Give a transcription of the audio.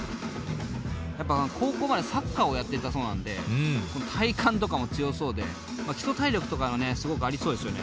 高校までサッカーをやっていたそうなんで体幹とかも強そうで基礎体力とかがすごくありそうですよね。